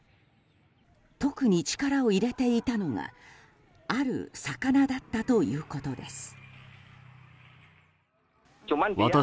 特に力を入れていたのがある魚だったということです。